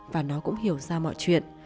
và nó cũng hiểu ra mọi chuyện